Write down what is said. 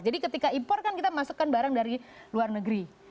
jadi ketika impor kan kita masukkan barang dari luar negeri